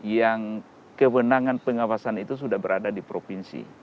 yang kewenangan pengawasan itu sudah berada di provinsi